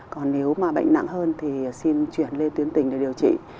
còn nếu mà bệnh nặng hơn thì xin chuyển lên tuyến tỉnh để điều trị